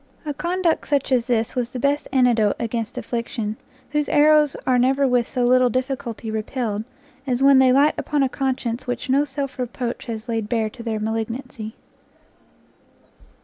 A conduct such as this was the best antidote against affliction, whose arrows are never with so little difficulty repelled, as when they light upon a conscience which no self reproach has laid bare to their malignancy.